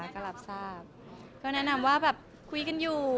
แนะนำกลุ่มว่าคุยกันอยู่